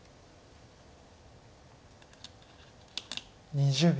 ２０秒。